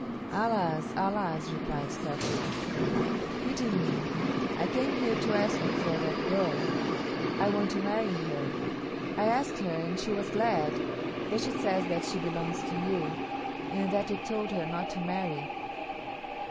"Alas, alas!" replied Scarface, "Pity me. I came here to ask you for that girl. I want to marry her. I asked her and she was glad, but she says that she belongs to you, and that you told her not to marry."